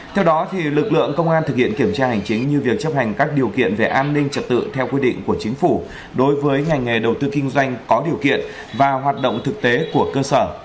theo đó lực lượng công an thực hiện kiểm tra hành chính như việc chấp hành các điều kiện về an ninh trật tự theo quy định của chính phủ đối với ngành nghề đầu tư kinh doanh có điều kiện và hoạt động thực tế của cơ sở